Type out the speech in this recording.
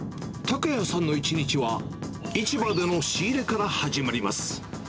拓哉さんの一日は、市場での仕入れから始まります。